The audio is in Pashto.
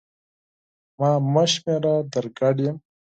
ما مه شمېره در ګډ یم!